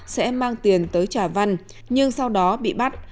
sẽ mang tiền tới trà văn nhưng sau đó bị bắt